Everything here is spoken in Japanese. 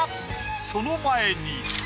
その前に。